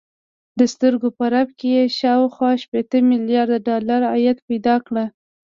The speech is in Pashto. د سترګو په رپ کې يې شاوخوا شپېته ميليارده ډالر عايد پيدا کړ.